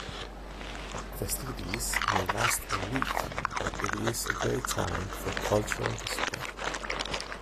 Festivities may last a week and it is a great time for cultural display.